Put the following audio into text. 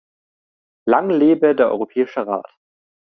Lang lebe der Europäische Rat!